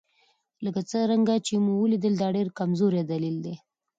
لکه څرنګه چې ومو لیدل دا ډېر کمزوری دلیل دی.